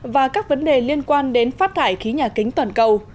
và các vấn đề liên quan đến phát thải khí nhà kính toàn cầu